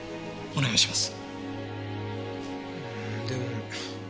お願いします。